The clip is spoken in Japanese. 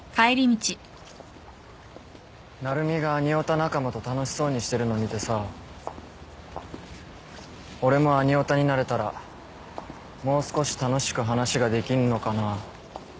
成海がアニヲタ仲間と楽しそうにしてるの見てさ俺もアニヲタになれたらもう少し楽しく話ができんのかな